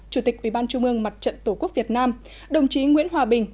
chủ tịch ủy ban trung ương mặt trận tổ quốc việt nam đồng chí nguyễn hòa bình